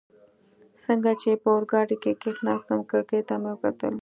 څنګه چي په اورګاډي کي کښېناستم، کړکۍ ته مې وکتل.